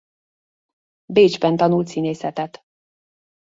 Bécsben tanult színészetet.